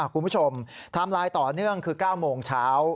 ไทม์ไลน์ต่อเนื่องคือ๙โมงเช้า